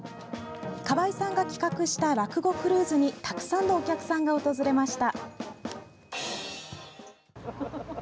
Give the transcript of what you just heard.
川井さんが企画した落語クルーズにたくさんのお客さんが訪れました。